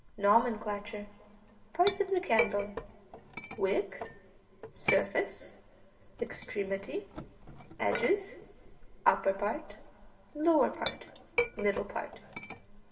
Nomenclature. Parts of the candle: wick, surface, extremity, edges, upper part, lower part, middle part.